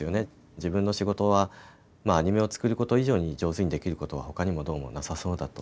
自分の仕事はアニメを作ること以上に上手にできることは他にも、どうもなさそうだと。